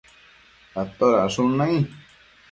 atodacshun nai?